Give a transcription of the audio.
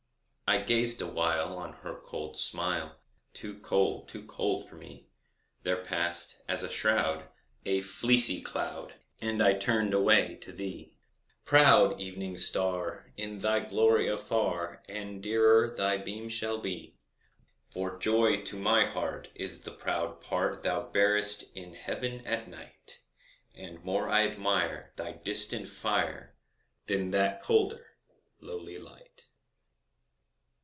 I gazed awhile On her cold smile; Too cold—too cold for me— There passed, as a shroud, A fleecy cloud, And I turned away to thee, Proud Evening Star, In thy glory afar And dearer thy beam shall be; For joy to my heart Is the proud part Thou bearest in Heaven at night., And more I admire Thy distant fire, Than that colder, lowly light.